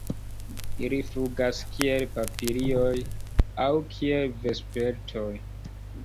Ili flugas kiel papilioj aŭ kiel vespertoj.